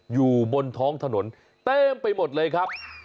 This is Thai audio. อยู่บนท้องถนนเต็มไปหมดเลยครับ